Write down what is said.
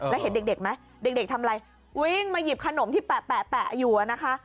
และเด็กทำไรวิ่งมาหยิบขนมที่แปะอยู่นะคะ